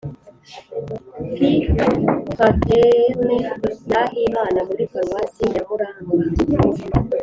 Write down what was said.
p.fraterne nahimana muri paruwasi ya muramba.